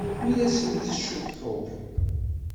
Ur asent-ttcuḥḥuɣ.